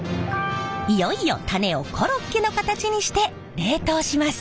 いよいよタネをコロッケの形にして冷凍します。